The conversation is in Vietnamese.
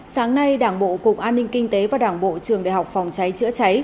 sáng nay đảng bộ cục an ninh kinh tế và đảng bộ trường đại học phòng cháy chữa cháy